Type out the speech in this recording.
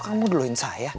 kamu duluin saya